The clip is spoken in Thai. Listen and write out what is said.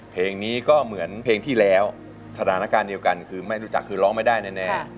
เพลงนี้ก็เหมือนเพลงที่แล้วสถานการณ์เดียวกันคือไม่รู้จักคือร้องไม่ได้แน่